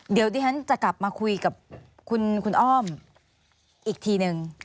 เดี๋ยวดิฉันจะกลับมาคุยกับคุณอ้อมอีกทีนึง